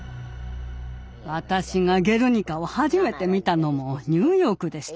私が「ゲルニカ」を初めて見たのもニューヨークでした。